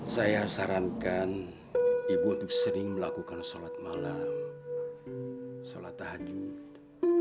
saya sarankan ibu untuk sering melakukan sholat malam sholat tahajud